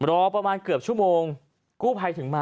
รองประมาณเกือบชั่วโมง